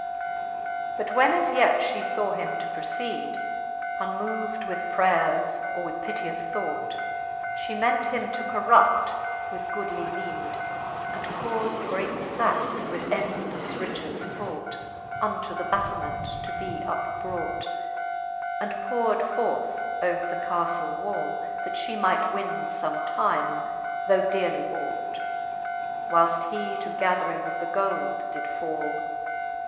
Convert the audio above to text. XXIII. But when as yet fhe faw him to proceede, Unmov'd with praiers, or with piteous thought, She ment him to corrupt with goodly meede ; And caufde, great fackes with endlefle riches fraught. Unto the battilment to be upbrought. And powred forth upon the caflle wall, That fhe might win fbm*e time, though dearly bought, Whileft he to gathering of the gold did fall.